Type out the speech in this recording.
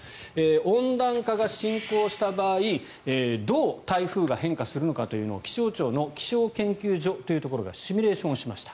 温暖化が進行した場合どう台風が変化するかというのを気象庁の気象研究所というところがシミュレーションしました。